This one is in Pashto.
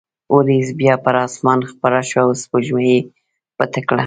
وریځ بیا پر اسمان خپره شوه او سپوږمۍ یې پټه کړه.